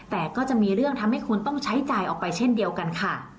แต่ก็จะมีเรื่องทำให้คุณต้องใช้จ่ายออกไปเช่นเดียวกันค่ะ